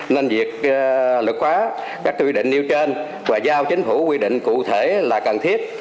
nên việc lực hóa các quy định nêu trên và giao chính phủ quy định cụ thể là cần thiết